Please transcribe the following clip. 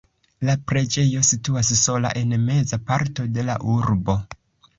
La preĝejo situas sola en meza parto de la urbo.